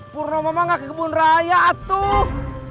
purnomo mah enggak ke kebun raya atuh